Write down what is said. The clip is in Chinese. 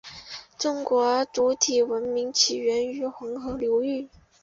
中国主体文明起源于黄河流域。